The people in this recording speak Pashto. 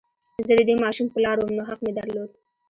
زه د دې ماشوم پلار وم نو حق مې درلود